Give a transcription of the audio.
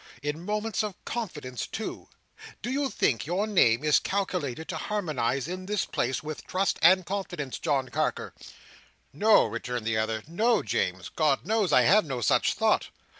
In moments of confidence too? Do you think your name is calculated to harmonise in this place with trust and confidence, John Carker?" "No," returned the other. "No, James. God knows I have no such thought."